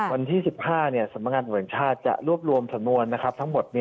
วันที่๑๕สำรวจบทแห่งชาติจะรวบรวมสำนวนทั้งหมด